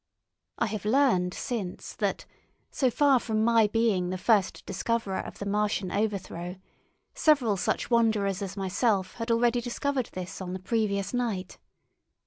I have learned since that, so far from my being the first discoverer of the Martian overthrow, several such wanderers as myself had already discovered this on the previous night.